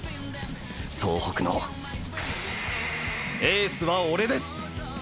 総北のエースはオレです！！